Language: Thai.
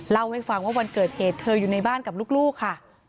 เล่าให้ฟังว่าวันเกิดเหตุเธออยู่ในบ้านกับลูกค่ะ